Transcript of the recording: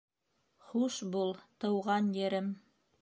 Хуш бул, Тыуған ерем!